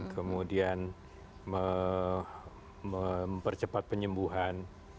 kemudian mempercepat penyembuhan